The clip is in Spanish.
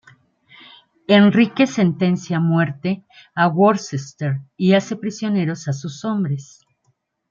Enrique sentencia a muerte a Worcester y hace prisioneros a sus hombres.